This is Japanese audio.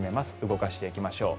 動かしていきましょう。